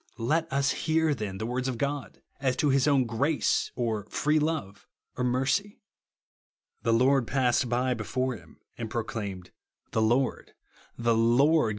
Let us hear, then, the words of God as to his own "grace," or "free love," o?' " mercy." " The Lord passed by before liim, and proclaimed, the Lord, the Lord TRUTH OF THE GOSPEL.